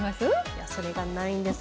それがないんです。